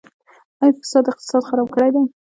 آیا فساد اقتصاد خراب کړی دی؟